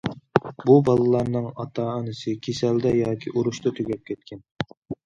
بۇ بالىلارنىڭ ئاتا- ئانىسى كېسەلدە ياكى ئۇرۇشتا تۈگەپ كەتكەن.